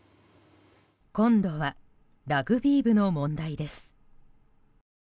今度はラグビー部の問題です。